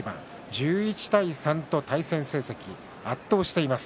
１１対３と対戦成績圧倒しています。